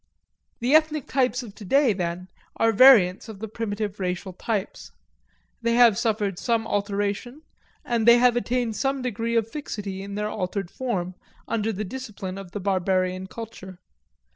The ethnic types of today, then, are variants of the primitive racial types. They have suffered some alteration, and have attained some degree of fixity in their altered form, under the discipline of the barbarian culture.